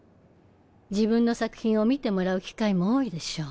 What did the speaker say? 自分の作品を見てもらう機会も多いでしょう。